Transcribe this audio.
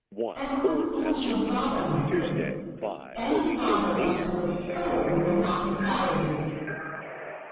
"And who is your father, my pretty? Any father must be a fool who would not be proud of you."